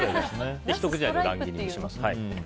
ひと口大の乱切りにします。